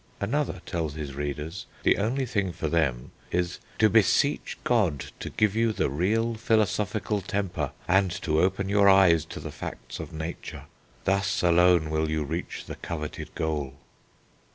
Another tells his readers the only thing for them is "to beseech God to give you the real philosophical temper, and to open your eyes to the facts of nature; thus alone will you reach the coveted goal."